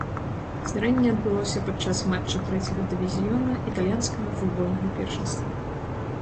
Здарэнне адбылося падчас матча трэцяга дывізіёна італьянскага футбольнага першынства.